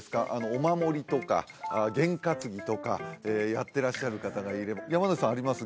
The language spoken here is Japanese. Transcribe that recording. お守りとか験担ぎとかやってらっしゃる方がいれば山之内さんはあります？